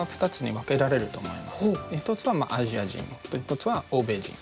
一つはアジア人一つは欧米人。